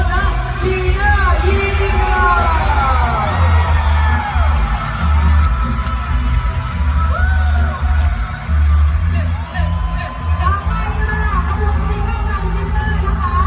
และก่อนนี้กับแนวินภัทรและชีน่ายีนิคอร์